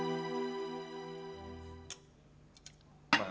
sudah disuapin lagi